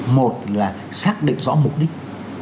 một là xác định rõ mục đích